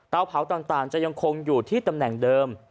เผาต่างจะยังคงอยู่ที่ตำแหน่งเดิม